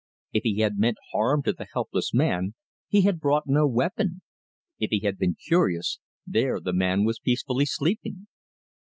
If he had meant harm to the helpless man, he had brought no weapon; if he had been curious, there the man was peacefully sleeping!